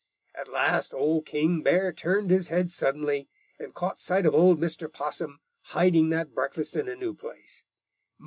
At last Old King Bear turned his head suddenly and caught sight of old Mr. Possum hiding that breakfast in a new place.